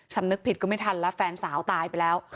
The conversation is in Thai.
สำนึกผิดก็ไม่ทันแล้วแฟนสาวตายไปแล้ว